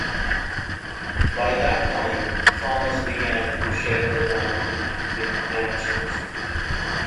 By that time, farmers began to share the land with ranchers.